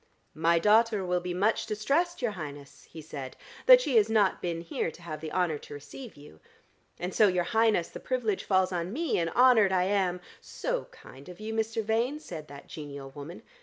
"My daughter will be much distressed, your Highness," he said, "that she has not been here to have the honour to receive you. And so, your Highness, the privilege falls on me, and honoured I am " "So kind of you, Mr. Vane," said that genial woman.